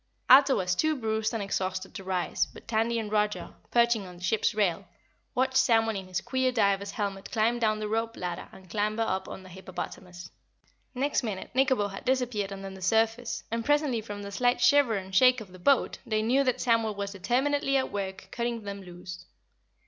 Ato was too bruised and exhausted to rise, but Tandy and Roger, perching on the ship's rail, watched Samuel in his queer diver's helmet climb down the rope ladder and clamber up on the hippopotamus. Next minute Nikobo had disappeared under the surface and presently from the slight shiver and shake of the boat they knew that Samuel was determinedly at work cutting them loose.